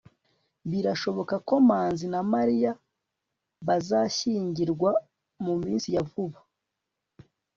birashoboka ko manzi na mariya bazashyingirwa mu minsi ya vuba